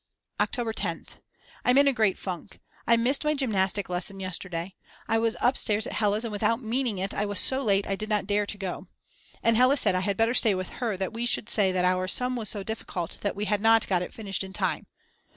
October 10th. I'm in a great funk, I missed my gymnastic lesson yesterday. I was upstairs at Hella's and without meaning it I was so late I did not dare to go. And Hella said I had better stay with her that we would say that our sum was so difficult that we had not got it finished in time.